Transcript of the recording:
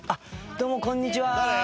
どうもこんにちは。